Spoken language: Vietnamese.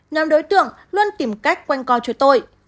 nhóm đối tượng luôn tìm cách quanh co cho tội